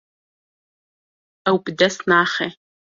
Ew bi dest naxe.